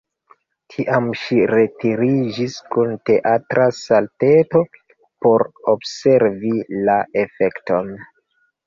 Tiam ŝi retiriĝis kun teatra salteto, por observi la efekton.